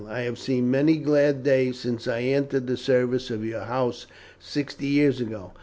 I have seen many glad days since I entered the service of your house sixty years ago.